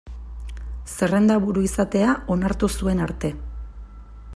Zerrendaburu izatea onartu zuen arte.